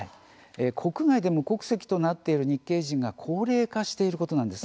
国外で無国籍となっている日系人が高齢化していることなんです。